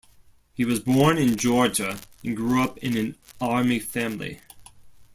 He was born in Georgia and grew up in an Army family.